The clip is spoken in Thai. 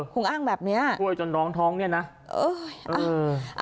คงอ้างแบบเนี้ยช่วยจนน้องท้องเนี่ยนะเอ้ยเออ